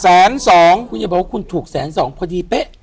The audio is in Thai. แสนสองคุณอย่าบอกว่าคุณถูกแสนสองพอดีเป๊ะ